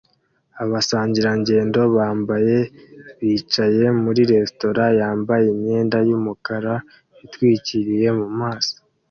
Abasangirangendo bambaye bicaye muri resitora yambaye imyenda yumukara itwikiriye mu maso